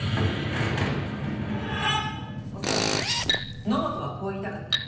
恐らく野本はこう言いたかった。